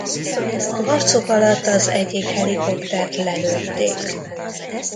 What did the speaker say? A harcok alatt az egyik helikoptert lelőtték.